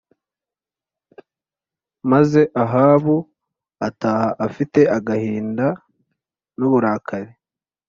maze ahabu ataha afite agahinda n uburakari